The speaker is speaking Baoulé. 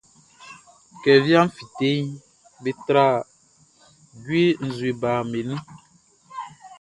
Kɛ wiaʼn fíteʼn, be tra jue nzue baʼn nun.